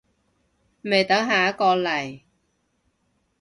咪等下一個嚟